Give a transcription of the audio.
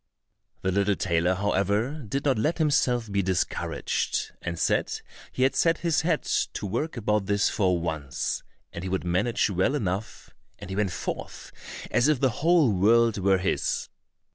The little tailor, however, did not let himself be discouraged, and said he had set his head to work about this for once, and he would manage well enough, and he went forth as if the whole world were his.